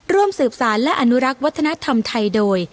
ร่วมสืบสารและอนุรักษ์วัฒนธรรมไทยโดย